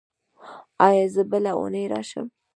ایا زه بله اونۍ راشم؟